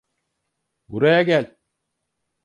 Buraya gel.